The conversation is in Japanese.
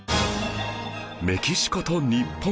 メキシコと日本